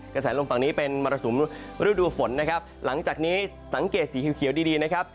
กระแสลมฝั่งนี้เป็นมรสุมฤดูฝนนะครับหลังจากนี้สังเกตสีเขียวดีดีนะครับ